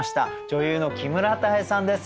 女優の木村多江さんです。